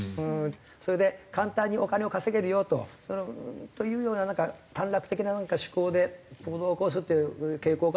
それで簡単にお金を稼げるよと。というようななんか短絡的な思考で行動を起こすっていう傾向かもしれませんね。